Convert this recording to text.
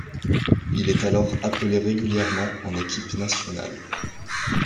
Il est alors appelé régulièrement en équipe nationale.